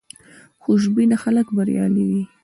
خوشبینه خلک بریالي وي.